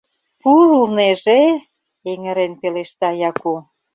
— Пурлнеже... — эҥырен пелешта Яку.